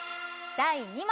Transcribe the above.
第２問。